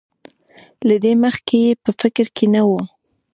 له دې مخکې یې په فکر کې نه وو.